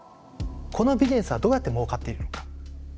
このビジネスはどうやってもうかっているのか。